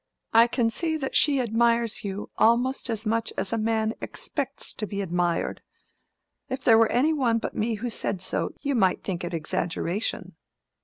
I can see that she admires you almost as much as a man expects to be admired. If it were any one but me who said so, you might think it exaggeration.